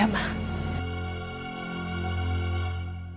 dan bagaimanapun caranya